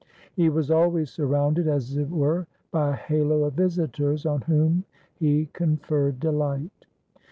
He was always surrounded, as it were, by a halo of visitors, on whom he conferred delight.